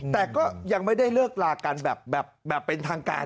แต่ก็ยังไม่ได้เลิกลากันแบบเป็นทางการ